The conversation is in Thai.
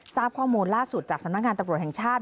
ทราบข้อมูลล่าสุดจากสำนักงานตำรวจแห่งชาติ